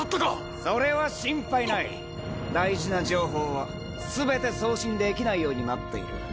それは心配ない大事な情報は全て送信できないようになっている。